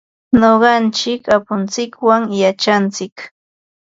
Nuqanchik apuntsikwan yachantsik.